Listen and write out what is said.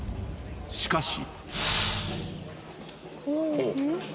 ［しかし］